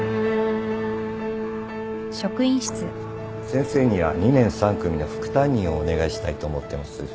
先生には２年３組の副担任をお願いしたいと思ってます。